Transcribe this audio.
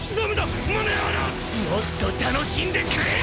もっと楽しんでくれよ！！